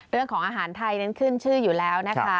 เรื่องของอาหารไทยนั้นขึ้นชื่ออยู่แล้วนะคะ